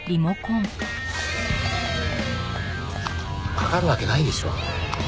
かかるわけないでしょ！